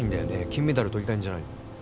金メダルとりたいんじゃないの？